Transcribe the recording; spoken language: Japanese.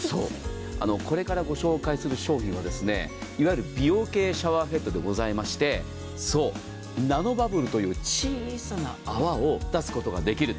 これからご紹介する商品は、いわゆる美容系シャワーヘッドでございましてそう、ナノバブルという小さな泡を出すことができる。